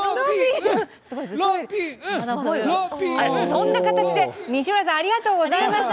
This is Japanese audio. そんな形で、西村さん、ありがとうございました。